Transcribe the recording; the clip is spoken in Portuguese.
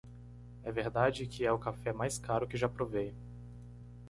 É verdade que? é o café mais caro que já provei.